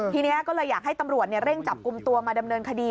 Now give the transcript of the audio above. ทีนี้ก็เลยอยากให้ตำรวจเร่งจับกลุ่มตัวมาดำเนินคดี